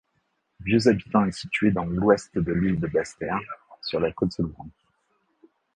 Vieux-Habitants est située dans l'ouest de l'île de Basse-Terre sur la côte-sous-le-vent.